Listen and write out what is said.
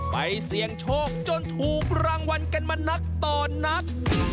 ไปเสี่ยงโชคจนถูกรางวัลกันมานักต่อนัก